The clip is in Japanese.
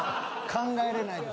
考えれないです。